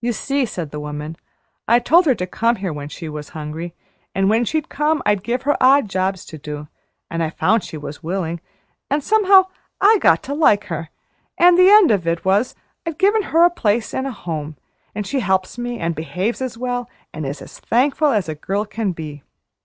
"You see," said the woman, "I told her to come here when she was hungry, and when she'd come I'd give her odd jobs to do, an' I found she was willing, an' somehow I got to like her; an' the end of it was I've given her a place an' a home, an' she helps me, an' behaves as well, an' is as thankful as a girl can be.